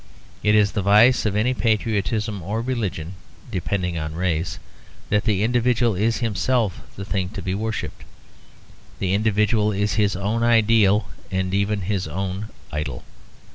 It is the vice of any patriotism or religion depending on race that the individual is himself the thing to be worshipped; the individual is his own ideal, and even his own idol.